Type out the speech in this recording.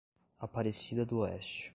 Aparecida d'Oeste